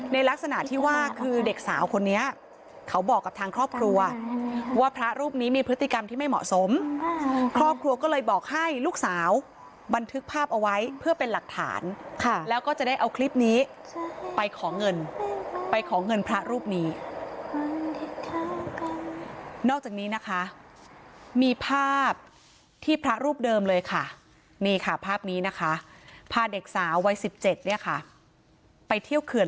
ในลักษณะที่ว่าคือเด็กสาวคนนี้เขาบอกกับทางครอบครัวว่าพระรูปนี้มีพฤติกรรมที่ไม่เหมาะสมครอบครัวก็เลยบอกให้ลูกสาวบันทึกภาพเอาไว้เพื่อเป็นหลักฐานค่ะแล้วก็จะได้เอาคลิปนี้ไปขอเงินไปขอเงินพระรูปนี้นอกจากนี้นะคะมีภาพที่พระรูปเดิมเลยค่ะนี่ค่ะภาพนี้นะคะพาเด็กสาววัย๑๗เนี่ยค่ะไปเที่ยวเขื่อน